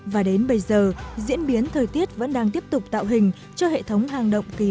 và đến bây giờ diễn biến thời tiết vẫn đang tiếp tục tạo hình cho hệ thống hang động kỳ